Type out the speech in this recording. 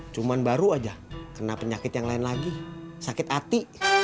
cuma baru aja kena penyakit yang lain lagi sakit hati